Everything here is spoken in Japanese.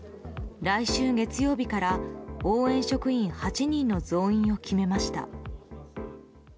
来週月曜日から応援職員８人の増員を決めました。